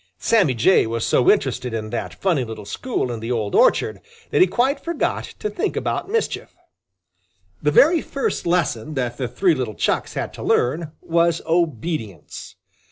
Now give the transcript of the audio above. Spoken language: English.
Sammy Jay was so interested in that funny little school in the old orchard that he quite forgot to think about mischief. The very first lesson that the three little Chucks had to learn was obedience.